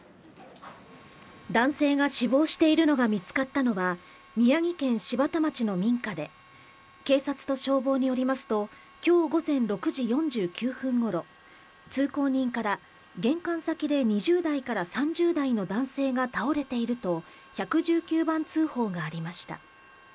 男性が死亡しているのが見つかったのは、宮城県柴田町の民家で、警察と消防によりますと、きょう午前６時４９分ごろ、通行人から、玄関先で２０代から３０代の男性が倒れていると、１１９番通報がありました。